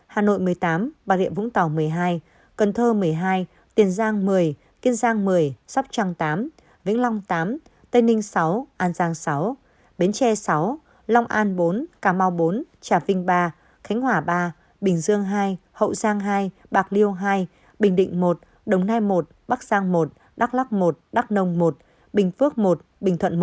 hà nội một mươi tám bà địa vũng tàu một mươi hai cần thơ một mươi hai tiền giang một mươi kiên giang một mươi sóc trang tám vĩnh long tám tây ninh sáu an giang sáu bến tre sáu long an bốn cà mau bốn trà vinh ba khánh hỏa ba bình dương hai hậu giang hai bạc liêu hai bình định một đồng nai một bắc giang một đắk lắc một đắk nông một bình phước một bình thuận một